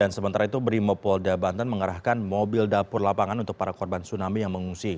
dan sementara itu brimob polda banten mengarahkan mobil dapur lapangan untuk para korban tsunami yang mengungsi